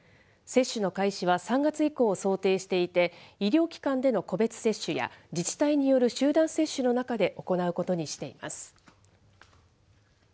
接種の開始は３月以降を想定していて、医療機関での個別接種や、自治体による集団接種の中で行うことにしています。